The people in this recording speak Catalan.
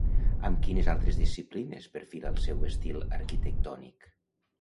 Amb quines altres disciplines perfila el seu estil arquitectònic?